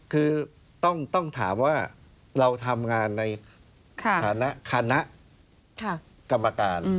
คือต้องถามว่าเราทำงานในฐานะคณะกรรมการ